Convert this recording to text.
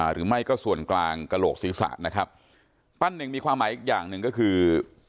หรือไม่ก็ส่วนกลางกระโหลกศีรษะนะครับปั้นหนึ่งมีความหมายอีกอย่างหนึ่งก็คือ